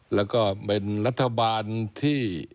แล้วก็เป็นรัฐบาลที่